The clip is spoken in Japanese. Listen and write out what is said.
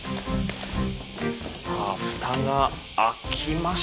さあ蓋が開きました。